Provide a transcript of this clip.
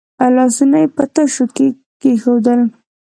لاسونه یې په تشو کې کېښودل.